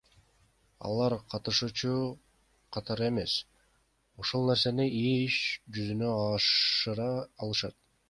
Алар катышуучу катары эмес, ошол нерсени иш жүзүнө ашыра алышат.